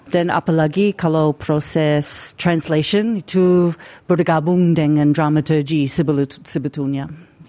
dan apalagi kalau proses translation itu bergabung dengan dramaturgy sebetulnya